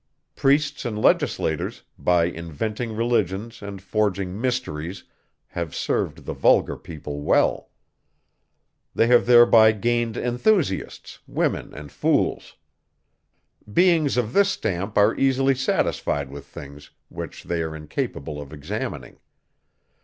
Priests and legislators, by inventing religions and forging mysteries have served the vulgar people well. They have thereby gained enthusiasts, women and fools. Beings of this stamp are easily satisfied with things, which they are incapable of examining.